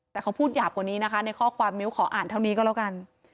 แต่เขาพูดหยาบกว่านี้นะคะในข้อความมิ้วขออ่านเท่านี้ก็แล้วกัน